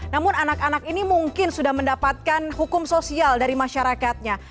namun anak anak ini mungkin sudah mendapatkan hukum sosial dari masyarakatnya